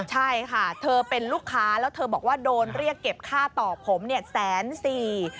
ใช่ค่ะเธอเป็นลูกค้าแล้วเธอบอกว่าโดนเรียกเก็บค่าต่อผมเนี่ยแสนสี่